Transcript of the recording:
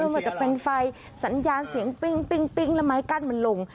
ว่าจะเป็นไฟสัญญาณเสียงปิ้งแล้วไม้กั้นมันลง